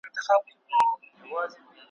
تور وېښته می سپین په انتظار کړله ,